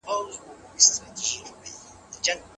ډاکټر میلرډ وايي، دا د جاذبې د ثابتو نقطو لخوا نیول شوې ده.